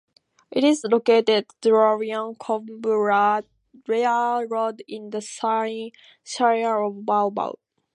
It is located on Drouin - Korumburra Road, in the Shire of Baw Baw.